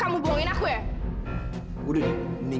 apaan gue dikutang